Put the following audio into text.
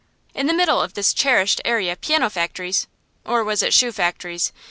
In the middle of this cherished area piano factories or was it shoe factories?